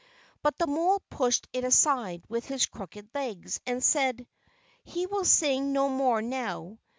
But the mole pushed it aside with his crooked legs, and said: "He will sing no more now.